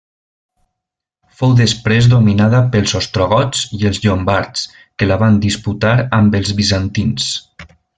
Fou després dominada pels ostrogots i els llombards que la van disputar amb els bizantins.